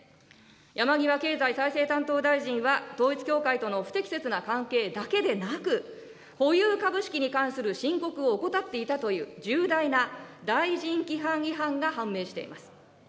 山際経済再生担当大臣は、統一教会との不適切な関係だけでなく、保有株式に関する申告を怠っていたという重大な大臣規範違反が判明しています。